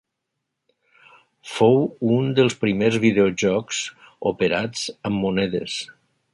Fou un dels primers videojocs operats amb monedes.